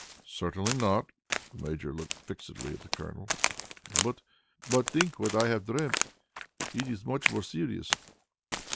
"Certainly not." The Major looked fixedly at the Colonel. "But think what I have dreamt; it is much more serious."